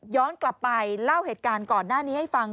กลับไปเล่าเหตุการณ์ก่อนหน้านี้ให้ฟัง